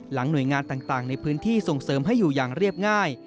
หน่วยงานต่างในพื้นที่ส่งเสริมให้อยู่อย่างเรียบง่าย